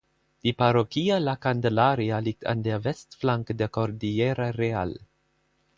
Die Parroquia La Candelaria liegt an der Westflanke der Cordillera Real.